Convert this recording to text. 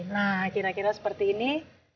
nah kira kira seperti ini